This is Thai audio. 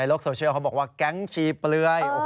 โลกโซเชียลเขาบอกว่าแก๊งชีเปลือย